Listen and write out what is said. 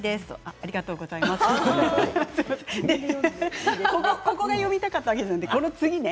ありがとうございますすいません、ここが読みたかったわけじゃないんです。